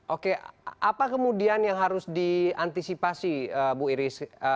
oke apa kemudian yang harus diantisipasi bu iris